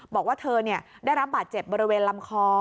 บอกว่าเธอได้รับบาดเจ็บบริเวณลำคอ